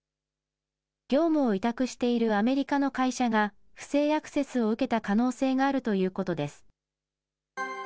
業務を委託しているアメリカの会社が、不正アクセスを受けた可能性があるということです。